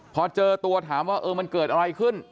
พอเจอตัวถามว่าเออมันเกิดอะไรขึ้น